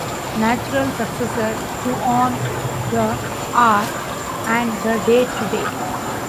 Natural successor to on the Hour and The Day Today.